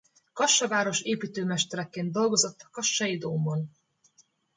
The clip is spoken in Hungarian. Kassa város építőmestereként dolgozott a Kassai dómon.